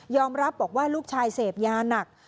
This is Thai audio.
รับบอกว่าลูกชายเสพยาหนัก